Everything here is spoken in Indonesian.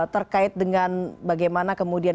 terkait dengan bagaimana kemudian